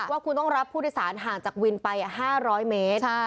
ว่าคุณต้องรับผู้โดยสารห่างจากวินไป๕๐๐เมตร